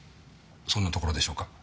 そんなところでしょうか？